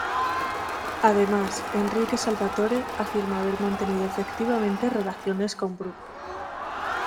Además, Enrique Salvatore afirma haber mantenido efectivamente relaciones con Brooke.